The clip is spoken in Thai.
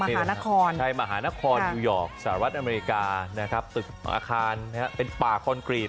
มหานครใช่มหานครนิวยอร์กสหรัฐอเมริกานะครับตึกอาคารเป็นป่าคอนกรีต